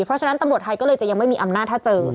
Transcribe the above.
เพราะฉะนั้นตำรวจไทยก็เลยจะยังไม่มีอำนาจถ้าเจอ